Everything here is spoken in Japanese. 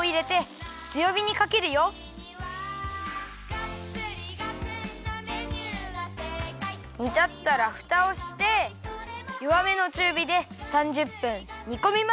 メニューが正解！」にたったらふたをしてよわめのちゅうびで３０分にこみます！